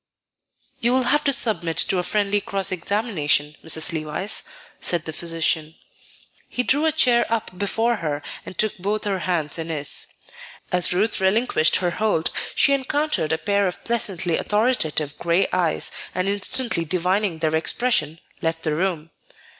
"You will have to submit to a friendly cross examination, Mrs. Levice," said the physician. He drew a chair up before her and took both her hands in his. As Ruth relinquished her hold, she encountered a pair of pleasantly authoritative gray eyes, and instantly divining their expression, left the room.